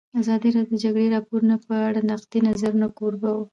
ازادي راډیو د د جګړې راپورونه په اړه د نقدي نظرونو کوربه وه.